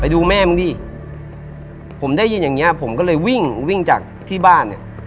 ดูแม่มึงดิผมได้ยินอย่างเงี้ยผมก็เลยวิ่งวิ่งจากที่บ้านเนี่ย